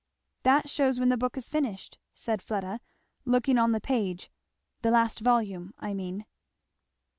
"That shews when the book is finished," said Fleda, looking on the page, "the last volume, I mean."